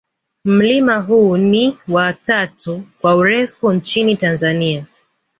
mlima huu ni wa tatu kwa urefu nchini tanzania